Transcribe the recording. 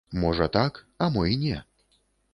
Можа так, а мо й не.